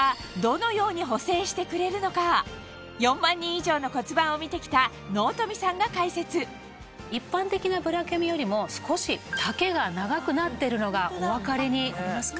では４万人以上の骨盤を見てきた納富さんが解説一般的なブラキャミよりも少し丈が長くなってるのがお分かりになりますか？